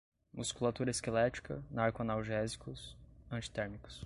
musculatura esquelética, narcoanalgésicos, antitérmicos